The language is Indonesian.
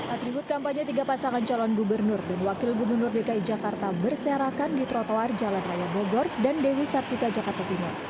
atribut kampanye tiga pasangan calon gubernur dan wakil gubernur dki jakarta berserakan di trotoar jalan raya bogor dan dewi sartika jakarta timur